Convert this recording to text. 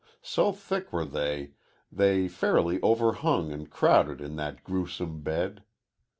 So thick were they they fairly overhung and crowded in that gruesome bed.